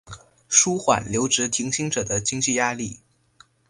纾缓留职停薪者的经济压力